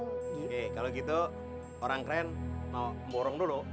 oke kalau gitu orang keren mau borong dulu oke